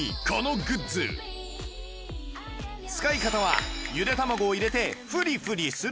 使い方はゆで卵を入れてフリフリするだけ